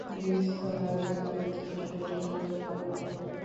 বিস্তর আয়োজন করে জিনিসপত্র জোগাড় করা হল।